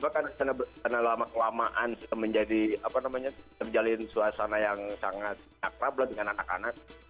karena lama kelamaan sudah menjadi apa namanya terjalin suasana yang sangat akrab lah dengan anak anak